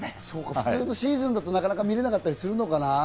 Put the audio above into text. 普通のシーズンだと、なかなか見られなかったりするのかな？